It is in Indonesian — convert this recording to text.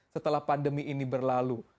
setelah pandemi ini berlalu